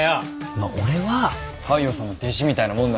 まあ俺は大陽さんの弟子みたいなもんなんで。